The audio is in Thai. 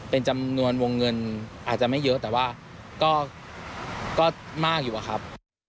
เป็นจำนวนวงเงินอาจจะไม่เยอะแต่ว่าก็มากอยู่อะครับ